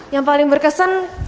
yang paling berkesan